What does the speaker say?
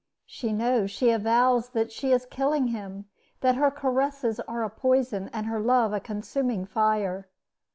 She knows, she avows, that she is killing him, that her caresses are a poison, and her love a consuming fire.